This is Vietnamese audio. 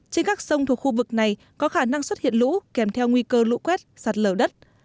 trên các sông thuộc khu vực này có khả năng xuất hiện lũ kèm theo nguy cơ lũ quét sạt lở đất